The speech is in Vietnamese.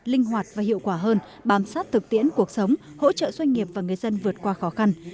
linh hoạt và hiệu quả hơn bám sát thực tiễn cuộc sống hỗ trợ doanh nghiệp và người dân vượt qua khó khăn